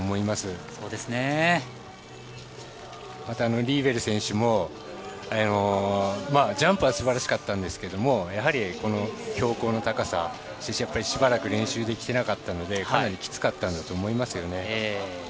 また、リーベル選手もジャンプは素晴らしかったんですがやはり標高の高さそしてしばらく練習できていなかったのでかなりきつかったんだと思います。